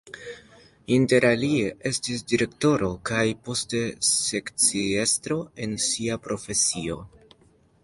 Interalie estis direktoro kaj poste sekciestro en sia profesio.